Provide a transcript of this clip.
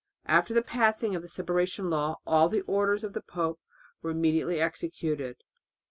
After the passing of the Separation Law all the orders of the pope were immediately executed.